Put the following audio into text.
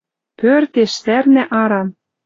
Пӧртеш, сӓрна аран...